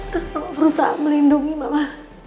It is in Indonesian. terus berusaha melindungi mama